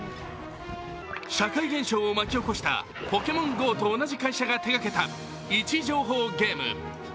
社会現象を巻き起こした「ＰｏｋｅｍｏｎＧＯ」と同じ会社が手がけた位置情報ゲーム。